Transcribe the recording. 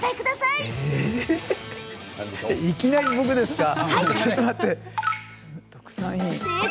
いきなり僕ですか？